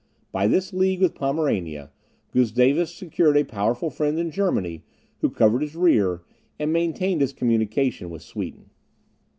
By this league with Pomerania, Gustavus secured a powerful friend in Germany, who covered his rear, and maintained his communication with Sweden.